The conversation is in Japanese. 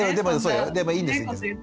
でもいいんですいいんです。